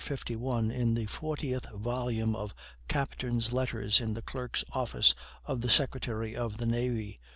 51, in the fortieth volume of "Captains' Letters," in the clerk's office of the Secretary of the Navy.)